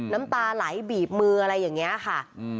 น้ำตาไหลบีบมืออะไรอย่างนี้ค่ะ